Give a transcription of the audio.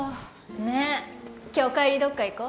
ねっ今日帰りどっか行こう遙